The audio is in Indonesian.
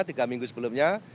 tiga minggu sebelumnya